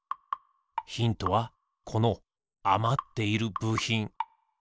ヒントはこのあまっているぶひん。